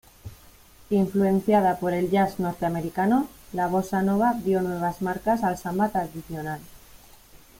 Influenciada por el jazz norteamericano, la bossa nova dio nuevas marcas al samba tradicional.